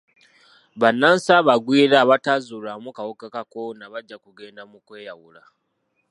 Bannansi abagwira abataazuulwamu kawuka ka kolona bajja kugenda mu kweyawula.